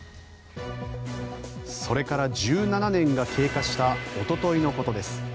それから１７年が経過したおとといのことです。